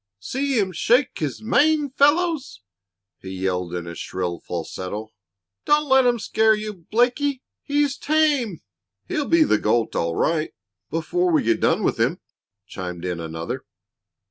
"See him shake his mane, fellows!" he yelled in a shrill falsetto. "Don't let him scare you, Blakie; he's tame!" "He'll be the goat, all right, before we get done with him," chimed in another.